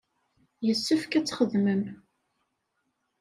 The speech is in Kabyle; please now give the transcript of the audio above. Yessefk ad txedmem.